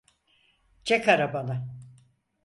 Çek arabanı!